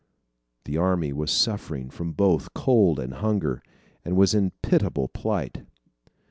The army was suffering from both cold and hunger, and was in pitiable plight.